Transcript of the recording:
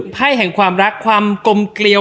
ไพ่จนแห่งความรักกลมเกลียว